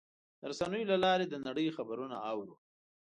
د رسنیو له لارې د نړۍ خبرونه اورو.